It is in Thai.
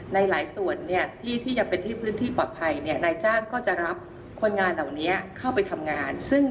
ในหลายส่วนที่ที่ยังเป็นพื้นที่ปลอดภัยในจ้างก็จะรับคนงานเหล่านี้เข้าไปทำงาน